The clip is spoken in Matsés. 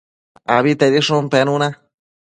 Abitedishun penuna